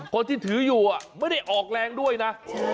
คนที่ถืออยู่ไม่ได้ออกแรงด้วยนะ